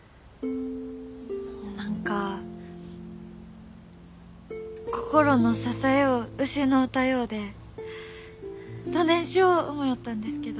何か心の支よを失うたようでどねんしょう思よったんですけど。